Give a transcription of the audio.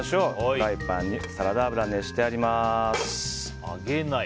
フライパンにサラダ油熱してあります。